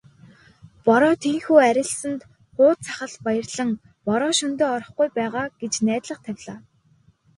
Бороо тийнхүү арилсанд хууз сахалт баярлан "Бороо шөнөдөө орохгүй байгаа" гэж найдлага тавилаа.